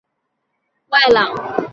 官至司封员外郎。